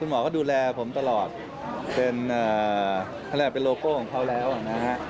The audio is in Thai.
คุณหมอก็ดูแลผมตลอดเป็นโลโก้ของเขาแล้วนะฮะ